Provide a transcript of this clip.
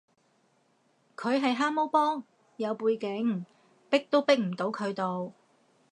佢係蛤蟆幫，有背景，逼都逼唔得佢到